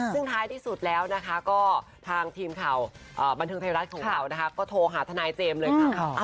ซึ่งท้ายที่สุดแล้วนะคะก็ทางทีมข่าวบันเทิงไทยรัฐของเรานะคะก็โทรหาทนายเจมส์เลยค่ะ